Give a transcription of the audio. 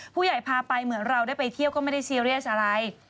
พาไปเหมือนเราได้ไปเที่ยวก็ไม่ได้ซีเรียสอะไร